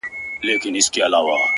که راتلې زه در څخه هېر نه سمه-